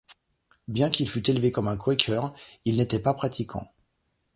Bien qu'il fut élevé comme un Quaker, il n'était pas pratiquant.